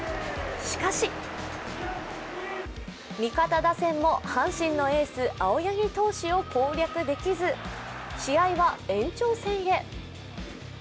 しかし味方打線も阪神のエース・青柳投手を攻略できず試合は延長戦へ。